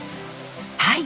はい。